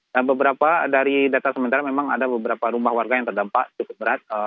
dan beberapa dari data sementara memang ada beberapa rumah warga yang terdampak cukup berat